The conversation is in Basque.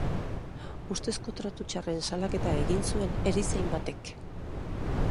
Ustezko tratu txarren salaketa egin zuen erizain batek.